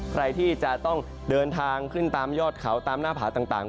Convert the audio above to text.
ใครที่จะต้องเดินทางขึ้นตามยอดเขาตามหน้าผาต่าง